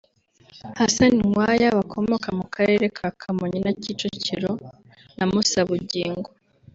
Hassan Nkwaya bakomoka mu Karere ka Kamonyi na Kicukiro na Mussa Bugingo